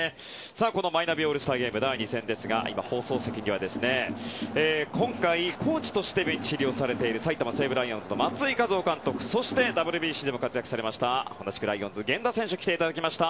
このマイナビオールスターゲーム第２戦ですが放送席には今回、コーチとしてベンチ入りされている埼玉西武ライオンズの松井稼頭央監督そしてＷＢＣでも活躍された同じくライオンズの源田選手に来ていただきました。